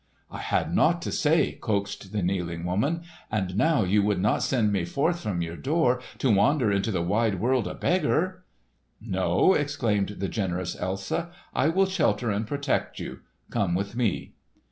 "I had naught to say," coaxed the kneeling woman. "And now you would not send me forth from your door, to wander into the wide world a beggar!" "No!" exclaimed the generous Elsa, "I will shelter and protect you. Come with me!"